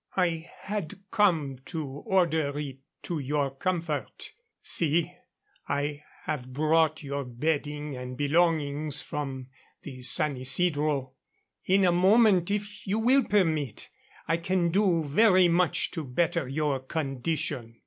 I had come to order it to your comfort. See. I have brought your bedding and belongings from the San Isidro. In a moment, if you will permit, I can do very much to better your condition."